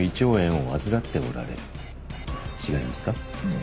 違いますか？